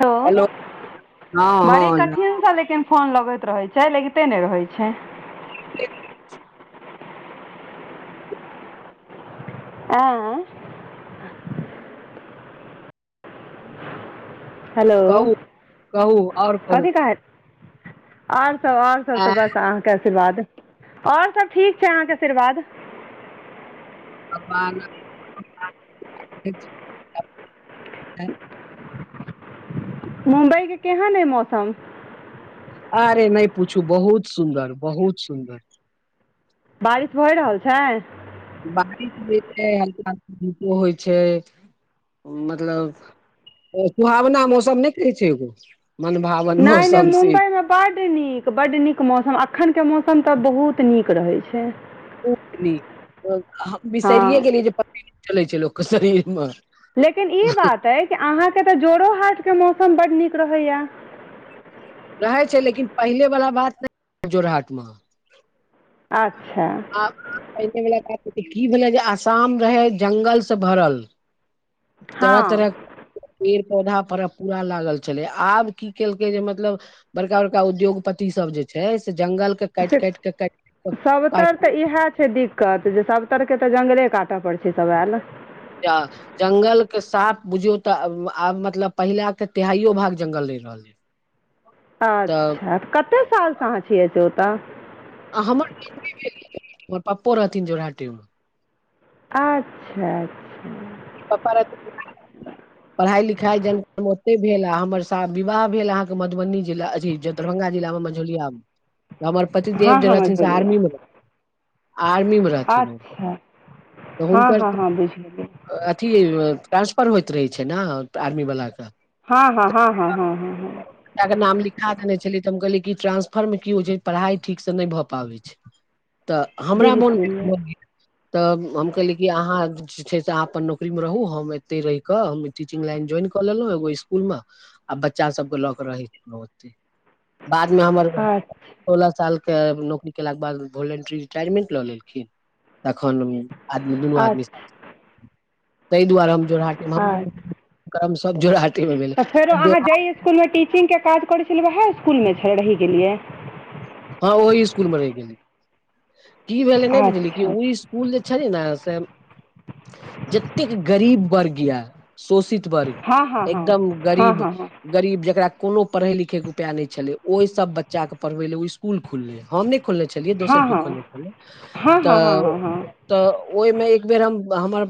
ह हेलो हँ बड़े हँ लगे, कठिनसँ लेकिन फोन लगैत रहे छै लगिते नहि रहैत छै। ह [inaudible] आँ [unintelligible] हेलो कहू कहू आओर कहू कथी कहैत? आओर सब आओर सब आ, तऽ बस अहाँके आशीर्वाद आओर सब ठीक छै अहाँके आशीर्वाद। ब बान [unintelligible] एक [inaudible] मुम्बई के केहन है मौसम? अरे नहि पूछू बहुत सुन्दर बहुत सुन्दर। बारिश भए रहल छै? बारिश भी छै हल्का हल्का धूपो होइ छै। मतलब सुहावना मौसम नहि कहै छै एगो? मनभावन मौसम छी। बड नीक बड नीक मौसम अखनके मौसम तऽ बहुत नीक रहैत छै। हँ बिसरिे गेलियै जे प चलै छै लोकके शरीर मे [unintelligible] लेकिन ई बात अइ कि अहाँके तऽ जोड़ो हाटके मौसम बड्ड नीक रहैया? रहै छै लेकिन पहिले वला बात नहि जोर हट मे, अच्छा आब पहिने वला बात की भेलै जे आसाम रहै जंगल से भरल, तरह हँ तरह, पेड़ पौधा पर पूरा लागल छलै आब की केलकै जे मतलब, बड़का बड़का उद्योगपति सब जे छै से जंगल के काटि काटि कऽ काटि, काटि के सभतरि तऽ कारखाना इएह छै दिक्कत जे सभतरके तऽ जङ्गले काटय पड़ छै सभ आए, आ [unintelligible] जंगल के साफ बुझियो तऽ आब मतलब पहिला के तेहाईयो भाग जंगल रहहि रहल ये, अच्छाऽ कते सालसँ अहाँ छियै से ओतऽ? आ हमर हमर पप्पो रहथिन जोराटी मे [unintelligible] अच्छा पप्पा रहथुन [inaudible] हूँ [inaudible] पढ़ाई लिखाई जन ओते भेल आ हमर शादी, विवाह भेल अहाँके मधुबनी जिला अथी दरभंगा जिला मे मझोलियामे हमर हँ पतिदेव जे हँ रहथिन से मझौलिए आर्मी मे आर्मी मे रहथिन ओ अच्छा तऽ हँ हुनकर हँ हँ बुझि गेलिए अथी ट्रांसफर होइत रहै छै, नऽआर्मी वलााक कऽ। हँ -हँ- हँ -हँ- हँ -हँ -हँ एकटा के नाम लिखा देने छ छलेै, त हम कहले क कि ट्रानंसफर मे की होइ छै, पढ़ाई ठीक से न नई भए पाबे छै। ह तऽ हमरा मोन ह तऽ हम कहली कि अहाँ जे छै, से अहाँ अपन नौकरी मे रहू हम एते रहिक हम टीचिंग लाइन ज्वाइन क लेलहु एगो इस्कुल म आ बच्चा सब क ल रहै छथिन ओे ओते बादमे हमर अच्छा सोलह साल के नौकरी केलाके बाद वोलेंट्री रिटायरमेंट लऽ लेलखिन तखन आदमी दुनू आदमी सा अच्छा अच्छा ताहि दुआरे हम जोराट रम सब जोड़ हाटी मे भेलै। [inaudible] इस्कुल मे टीचिंग के काज करै छलियै वएह इस्कुल मे छियै रहि गेलियै। हँ ओहि इस्कुल मे रहि गेलियै की भेले नहि बुझलियै कि अच्छा ओ इस्कू अच्छा इस्कुल जे छलै नऽसे जतेक गरीब वर्ग ये शोषित वर्ग हँ हँ एकदम हँ गरीब हँ हँ गरीब जेकरा कोनो पढ़ै लिखै के उपाय नहि छलै, ओहि सब बच्चा के पढ़बै ले उ स्कूल खुललै हम नहि खोलने छलियै, दोसर हँ केओ हँ खोलने छलै हँ हँ हँ हँ हँ तऽ, हँ हँ हँ हँ तऽ ओई मे एकबेर हम हमर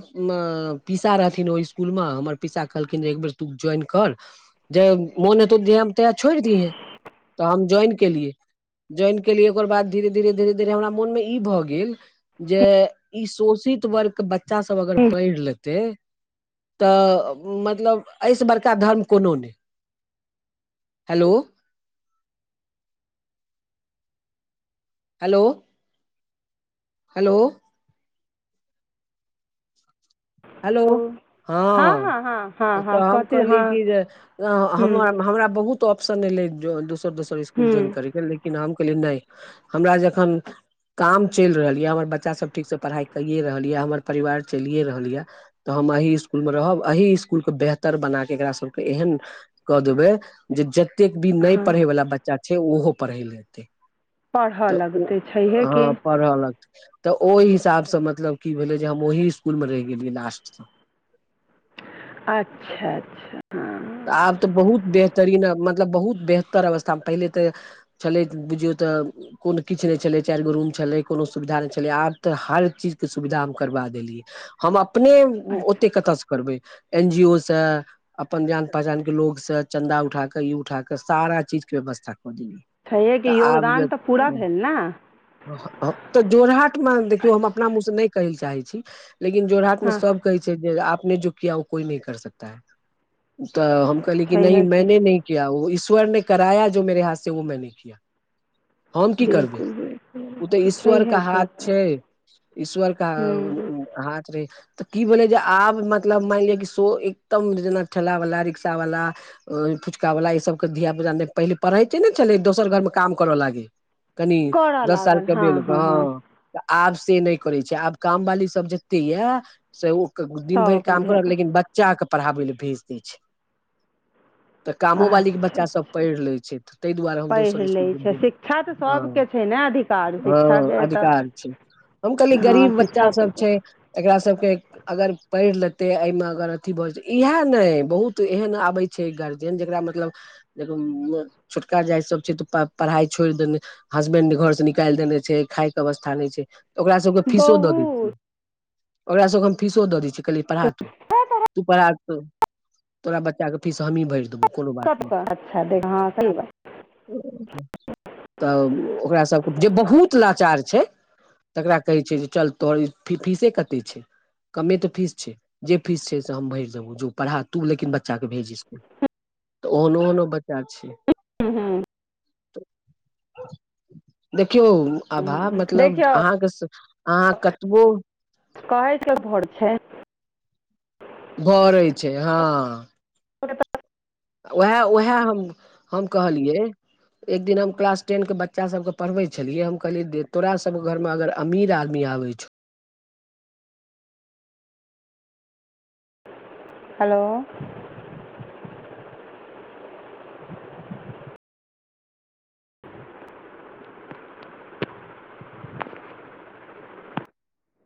पिसा रहथिन ओई इस्कुल म हमर पिसा कहलखिन जे एकबेर तू ज्वाइन कर जहिया मोन हेतौ दहिया तहिया छोड़ि दिहै तऽ हम ज्वाइन केलियै। ज्वइन केलियै ओकर बाद धीरे -धीरे - धीरे - धीरे हमरा मोन मे ई भऽ गेल। जे हँ ई शोषित वर्गक बच्चा सब अगर हँ पढ़ि लेत तऽ मतलब एहिऐसँ बड़का धर्म कोनो नई। हेलो हेलो हेलो हेलो हँ हँ हँ हँ हँ तऽ हम कथी कहलियै हँ कि जे ह्म्म हमर हमरा बहुत ऑप्शन एलै दोसर - दोसर इस्कुल ज्वाइन ह्म्म करैके लेकिन हम कहलियै नय हमरा जखन काम चइल रहल ये हमर बच्चा सब ठीक से पढ़ाई कये रहल ये हमर परिवार चलिये रहल ये तऽ हम एही इस्कुलमे रहब एही इस्कुल के बेहतर बना के एकरा सभके एहन कऽ देबै जे जतेक भी नहि हँ पढ़ैवला बच्चा छै, ओहो पढ़ि ले ऐतै। पढ़य तऽ ओ लगतै छैहे कि हँ पढ़ऽ लगतै। तऽ ओइह हिसाबसँ मतलब की भेलै जे हम ओइ इस्कुल मे रहि गेलियै लास्टसँ अच्छा -अच्छा ह आब तऽ बहुत बेहतरीन मतलब बहुत बेहतर अवस्थामे पहिले तऽ छलै बुझियौ तऽ, कोन किछु नहि छलै, चाइर गो रूम छलै, कोनो सुविधा नहि छलै, आब तऽ हर चीज के सुविधा हम करबा देलियै हम अपने अच्छा ओते कतय से करबै एन जी ओ से अपन जान पहचान के लोग से चन्दा उठाके, इ उठा के सारा चीज के व्यवस्था क देलियै। छहिए तऽ कि योगदान तऽ पूरा भेल नै। ह-हां तऽ जोरहाटमे देखियौ हम अपना मुँह से नै कहय लए चाहै छी। लेकिन जोरहाट में हँ सब कहै छै जे आपने जो किया वो कोई नहीं कर सकता है। तऽ हम कहलियै कि नहि मैने नहि किया वो ईश्वर ने कराया जो मेरे हाथ से वो मैने किया। हम की करबै। बिलकुल ओ तऽ बिलकुल ईश्वर के छैहे हाथ छैहे छै, ईश्वर के ह्म्म अ-अ हाथ रहै तऽ की भेलै जे आब मतलब मैन लिया कि एकदम जेना ठेला वाला, रिक्शा वाला अ फुचका वला ई सबके धिया-पुता नै पहिले पढ़िते नै छलै दोसर घर मे काम करऽ लागय। कनि करय दस लागल सालके हँ भेल हँ हँ गाअ तऽ आब से नै करै छै, आब काम वाली सब जत्ते यै से ओ क दिन सभ भैर अपन काम करत धियापुता लेकिन बच्चाके पढ़ाबै लै भेज दै छै। तऽ कामो बालीके अच्छा बच्चा सब अच्छा पढ़ लै छै तै दुआरे हम पढ़ि दोसर स्कुल लै छै गेलियै नै शिक्षा तऽ हां। सभके छै ने अधिकार हां शिक्षाके अधिकार तऽ छै, हम कहलियै हँ गरीब बच्चा शिक्षा सब तऽ छै। एकरा सबके अगर पढ़ लेतै ऐ मे अगर अथी भए जेते इहे नै बहुत एहन आबै छै गार्जियन जेकरा मतलब [unintelligible] देखबै छोटका जाति सब छै तऽ पढ़ाइ छोड़ देनय हसबेंड जे घर से निकाल देने छै, खायके अवस्था नै छै। ओकरा सब के फीसो द दय बहुत छियै ओकरा सब के हम फीसो द दय छियै। कहलियै तो पढ़ा तू तू पढ़ा त तोरा बच्चाके फीस हमहीं भैर देबौ। सबसे अच्छा दे हां सही बात छै। अ-अ तब ओकरा सबके जे बहुत लाचार छै तकरा कहै छीयै जे चल तोहर ई फी फिसे कत्ते छै। कमे तऽ फिस छै जे फिस छै से हम भैर देबो जो पढ़ा तू लेकिन बच्चाके भेज स्कूल तऽ ओहनो-ओहनो बच्चा छै। हूँ-हूँ। त देखियौ अभाब हूँ मतलब देखियौ अहाँके से अहाँ कतबो कहै के घर छै। भरै छै हां। [unintelligible] उहै उहै हम-हम कहलियै एक दिन हम क्लास टेन के बच्चा सबके पड़बै छलियै हम कहलियै दे तोरा सब घरमे अगर अमिर आदमी आबै छौ। हलो।